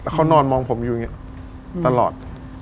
เขานอนมองผมอยู่อย่างนี้ตลอด